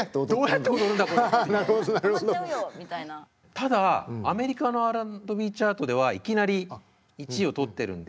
ただアメリカのＲ＆Ｂチャートではいきなり１位を取ってるんで。